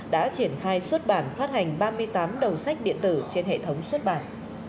đã triển khai xuất bản phát hành ba mươi tám đầu sách điện tử trên hệ thống xuất bản